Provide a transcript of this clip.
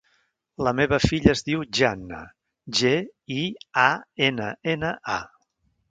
La meva filla es diu Gianna: ge, i, a, ena, ena, a.